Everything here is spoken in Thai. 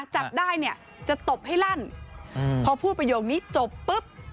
จับได้เนี่ยจะตบให้ลั่นพอพูดประโยคนี้จบปุ๊บ